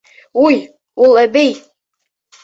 Уй, ул әбей!